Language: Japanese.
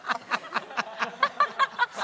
ハハハハハ。